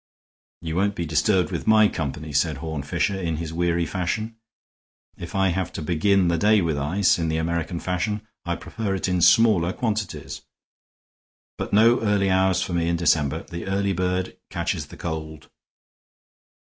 "You won't be disturbed with my company," said Horne Fisher, in his weary fashion. "If I have to begin the day with ice, in the American fashion, I prefer it in smaller quantities. But no early hours for me in December. The early bird catches the cold."